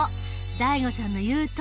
ＤＡＩＧＯさんの言うとおり。